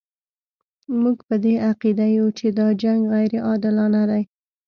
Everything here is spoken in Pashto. موږ په دې عقیده یو چې دا جنګ غیر عادلانه دی.